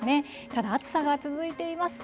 ただ、暑さが続いています。